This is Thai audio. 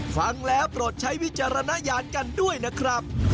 ฟังแล้วโปรดใช้วิจารณญาณกันด้วยนะครับ